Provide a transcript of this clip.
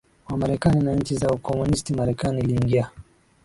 wa Marekani na nchi za ukomunisti Marekani iliingia